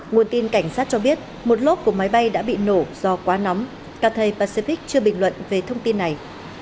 nguồn tin cảnh sát cho biết một lốp của máy bay đã bị nổ do quá nóng katy pacific chưa bình luận về thông tin này